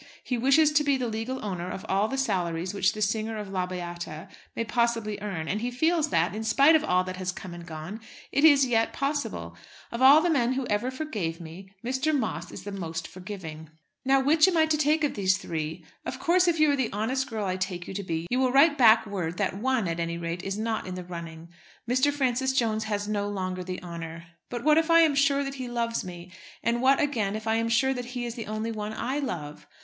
He wishes to be the legal owner of all the salaries which the singer of La Beata may possibly earn; and he feels that, in spite of all that has come and gone, it is yet possible. Of all the men who ever forgave, Mr. Moss is the most forgiving. Now, which am I to take of these three? Of course, if you are the honest girl I take you to be, you will write back word that one, at any rate, is not in the running. Mr. Francis Jones has no longer the honour. But what if I am sure that he loves me; and what, again, if I am sure that he is the only one I love?